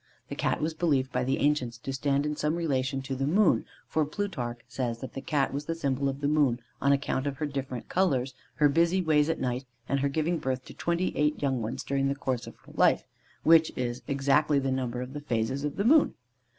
The Cat was believed by the ancients to stand in some relation to the moon, for Plutarch says that the Cat was the symbol of the moon on account of her different colours, her busy ways at night, and her giving birth to twenty eight young ones during the course of her life, which is exactly the number of the phases of the moon.